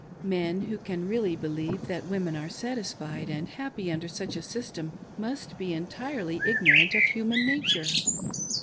Men who can really believe that Women are satisfied and happy under such a system must be entirely ignorant of human nature.